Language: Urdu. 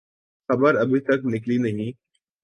خبر ابھی تک نکلی نہیں۔